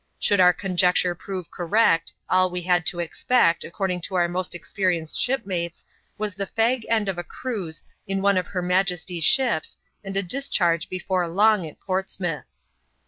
Should our conjecture prove correct, all we had to expect, according to our most experienced shipmates, was the fag end of a cruise in one of her majesty's ships, and a discharge before long at Ports mouth.